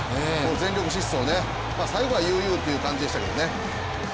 全力疾走ね、最後は悠々という感じでしたけれども。